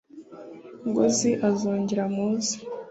ngozi azongera mu ze.